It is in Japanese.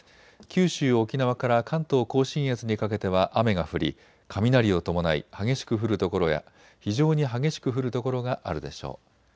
九州、沖縄から関東甲信越にかけては雨が降り雷を伴い激しく降る所や非常に激しく降る所があるでしょう。